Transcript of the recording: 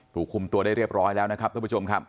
ถูกคุมตัวได้เรียบร้อยแล้วนะครับท่านผู้ชมครับ